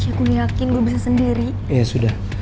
iya gue yakin gue bisa sendiri ya sudah